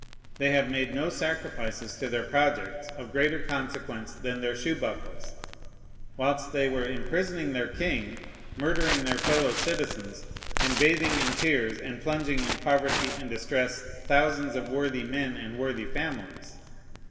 They have made no sacrifices to their projects of greater consequence than their shoe buckles, whilst they were imprisoning their king, murdering their fellow citizens, and bathing in tears and plunging in poverty and distress thousands of worthy men and worthy families.